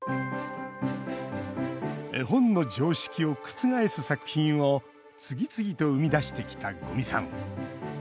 絵本の常識を覆す作品を次々と生み出してきた五味さん。